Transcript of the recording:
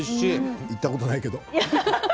行ったことないけど。